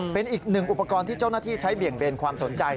เป็นอีกหนึ่งอุปกรณ์ที่เจ้าหน้าที่ใช้เบี่ยงเบนความสนใจ